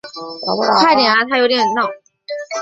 快点啊他有点恼